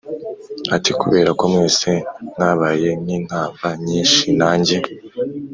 Ati kubera ko mwese mwabaye nk inkamba nyinshi nanjye